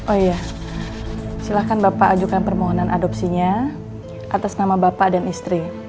oh iya silahkan bapak ajukan permohonan adopsinya atas nama bapak dan istri